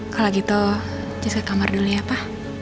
kalau gitu cis ke kamar dulu ya pa